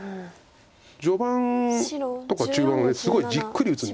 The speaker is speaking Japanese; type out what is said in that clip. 序盤とか中盤はすごいじっくり打つんです。